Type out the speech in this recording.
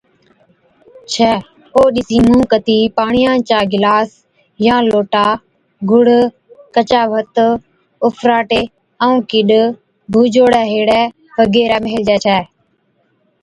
ڇَي او ڏِسِين منھن ڪَتِي پاڻيا چا گلاس يا لوٽا، گُڙ، ڪچا ڀَتَ، اُڦراٽي ائُون ڪِڏَ ڀُوجوڙي ھيڙي وغيره ميلهجي ڇَي